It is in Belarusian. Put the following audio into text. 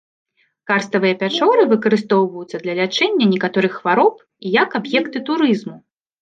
Карставыя пячоры выкарыстоўваюцца для лячэння некаторых хвароб і як аб'екты турызму.